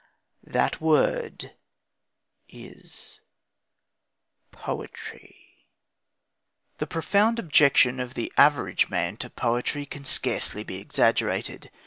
That word is "poetry." The profound objection of the average man to poetry can scarcely be exaggerated.